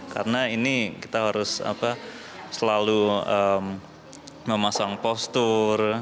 karena ini kita harus selalu memasang postur